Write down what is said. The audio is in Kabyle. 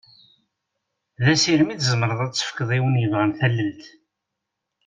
D asirem i tzemreḍ ad tefkeḍ i win yebɣan tallelt.